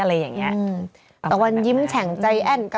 และให้กล่าวออกให้หมดครับ